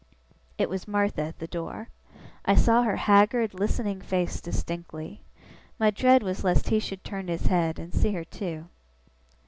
It was Martha at the door. I saw her haggard, listening face distinctly. My dread was lest he should turn his head, and see her too.